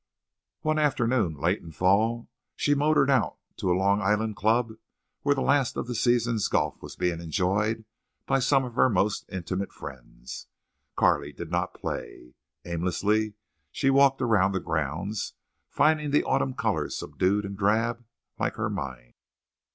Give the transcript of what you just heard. One afternoon, late in the fall, she motored out to a Long Island club where the last of the season's golf was being enjoyed by some of her most intimate friends. Carley did not play. Aimlessly she walked around the grounds, finding the autumn colors subdued and drab, like her mind.